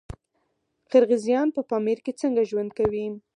قرغیزان په پامیر کې څنګه ژوند کوي؟